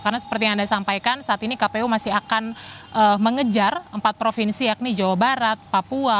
karena seperti yang anda sampaikan saat ini kpu masih akan mengejar empat provinsi yakni jawa barat papua